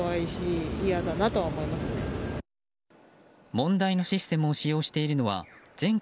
問題のシステムを使用しているのは全国